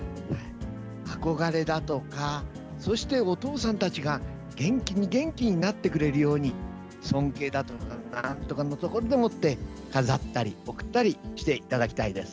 憧れだとか、お父さんたちが元気になってくれるように尊敬だとかのところでもって飾ったり送ったりしていただきたいです。